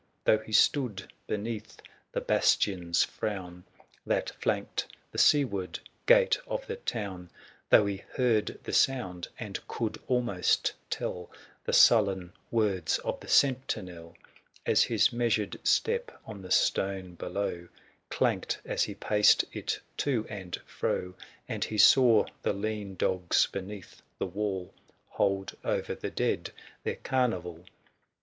Though he stood beneath the bastion's frown, That flanked the sea ward gate of the town ; Though he heard the sound, and could almost tell The sullen words of the sentinel, 406 As his measured step on the stone below Clanked, as he paced it to and fro ; And he saw the lean dogs beneath the wall Hold o'er the dead their carnival, 4H) aSf THE SIEGE OF CORINTH.